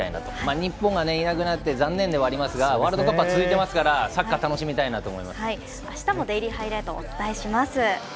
日本がいなくなって残念ではありますがワールドカップは続いてますからサッカーあしたも「デイリーハイライト」お伝えします。